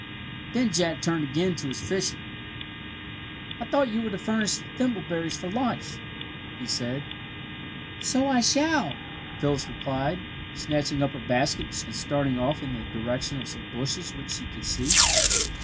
Then Jack turned again to his fishing. "I thought you were to furnish the thimbleberries for lunch," he said. "So I shall," Phyllis replied, snatching up her basket and starting off in the direction of some bushes which she could see.